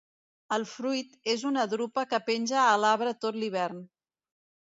El fruit és una drupa que penja a l'arbre tot l'hivern.